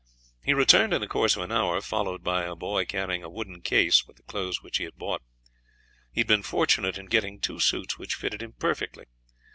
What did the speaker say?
He returned in the course of an hour, followed by a boy carrying a wooden case with the clothes that he had bought. He had been fortunate in getting two suits which fitted him perfectly.